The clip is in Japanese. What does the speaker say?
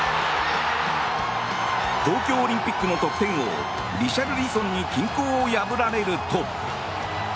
東京オリンピックの得点王リシャルリソンに均衡を破られると。